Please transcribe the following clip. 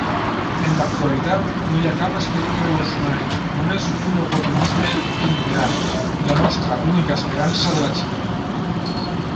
En l'actualitat, no hi ha cap esperit revolucionari, només un oportunisme imperant" i "la nostra única esperança de la Xina.